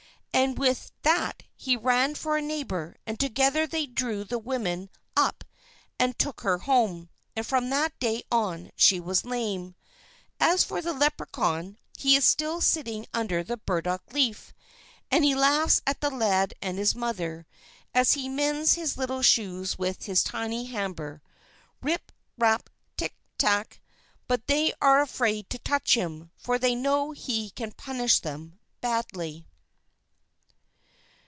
And with that he ran for a neighbour, and together they drew the woman up and took her home. And from that day on she was lame. As for the Leprechaun, he is still sitting under the burdock leaf, and he laughs at the lad and his mother, as he mends his little shoes with his tiny hammer, Rip! Rap! Tick! Tack! but they are afraid to touch him, for they know he can punish them badly.